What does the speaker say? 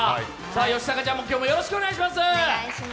吉高ちゃんもよろしくお願いします。